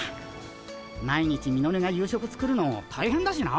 毎日ミノルが夕食作るの大変だしな。